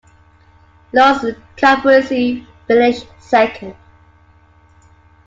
Loris Capirossi finished second.